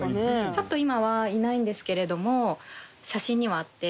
ちょっと今はいないんですけれども写真にはあって。